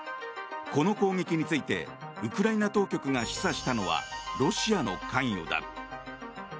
この攻撃についてウクライナ当局が示唆したのはロシアの関与だ。